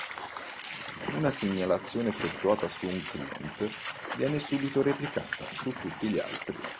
Una segnalazione effettuata su un client viene subito replicata su tutti gli altri.